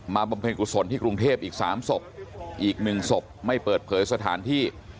บำเพ็ญกุศลที่กรุงเทพอีก๓ศพอีก๑ศพไม่เปิดเผยสถานที่